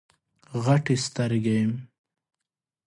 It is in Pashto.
غټي سترګي